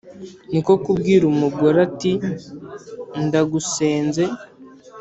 Ni ko kubwira umugore ati: “ndagusenze